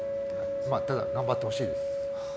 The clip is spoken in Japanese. ただ、頑張ってほしいです。